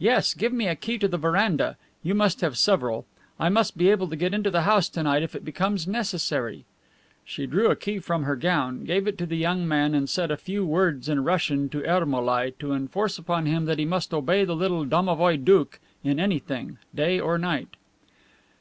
"Yes, give me a key to the veranda; you must have several. I must be able to get into the house to night if it becomes necessary." She drew a key from her gown, gave it to the young man and said a few words in Russian to Ermolai, to enforce upon him that he must obey the little domovoi doukh in anything, day or night.